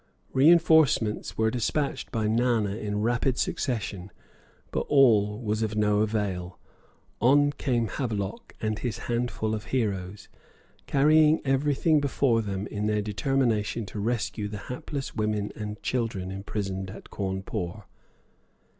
Reinforcements were despatched by Nana in rapid succession, but all was of no avail on came Havelock and his handful of heroes, carrying everything before them in their determination to rescue the hapless women and children imprisoned at Cawnpore.